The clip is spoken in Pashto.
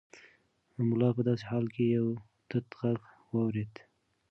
ملا په داسې حال کې یو تت غږ واورېد.